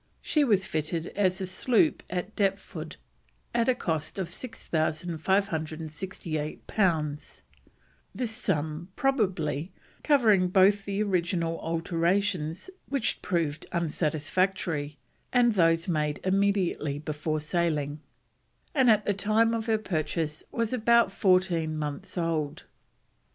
She was fitted as a sloop at Deptford, at a cost of 6,568 pounds (this sum, probably, covering both the original alterations which proved unsatisfactory and those made immediately before sailing), and at the time of her purchase was about fourteen months old.